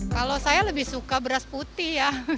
kalau saya lebih suka beras putih ya